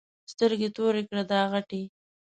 سترګې تورې کړه دا غټې.